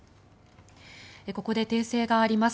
ここで訂正があります。